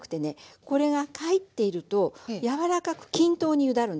これが入っていると柔らかく均等にゆだるんですね。